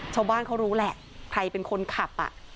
ชาวบ้านเขารู้แหละใครเป็นคนขับ